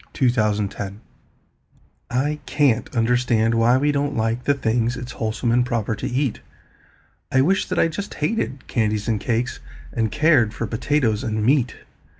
Edgar Fawcett A Sad Case I CAN'T understand why we don't like the things It's wholesome and proper to eat; I wish that I just hated candies and cakes, And cared for potatoes and meat.